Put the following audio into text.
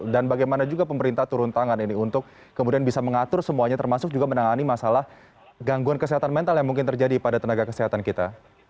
dan bagaimana juga pemerintah turun tangan ini untuk kemudian bisa mengatur semuanya termasuk juga menangani masalah gangguan kesehatan mental yang mungkin terjadi pada tenaga kesehatan kita